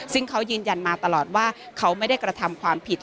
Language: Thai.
ซึ่งเขายืนยันมาตลอดว่าเขาไม่ได้กระทำความผิด